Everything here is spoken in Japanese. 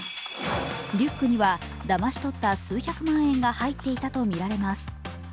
リュックにはだまし取った数百万円が入っていたとみられます。